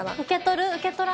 受け取る？